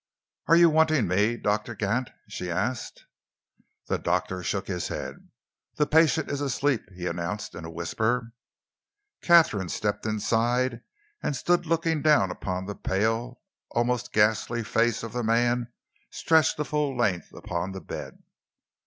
"Are you wanting me, Doctor Gant?" she asked. The doctor shook his head. "The patient is asleep," he announced in a whisper. Katharine stepped inside and stood looking down upon the pale, almost ghastly face of the man stretched at full length upon the bed.